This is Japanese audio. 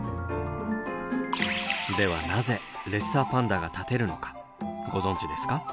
ではなぜレッサーパンダが立てるのかご存じですか？